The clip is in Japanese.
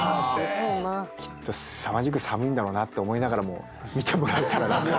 きっとすさまじく寒いんだろうなと思いながらも見てもらえたら。